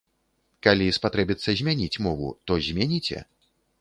Калі спатрэбіцца змяніць мову, то зменіце?